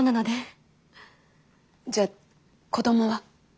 じゃあ子どもは？